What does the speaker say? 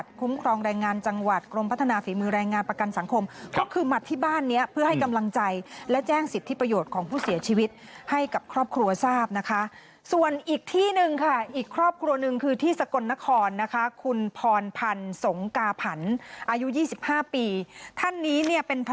ทำวัตถูกออกไปก็จะเห็นเขาก็จะการยิงตัว